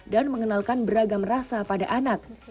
dan mengenalkan beragam rasa pada anak